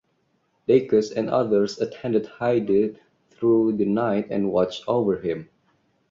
Dacus and others attended Hyde through the night and watched over him.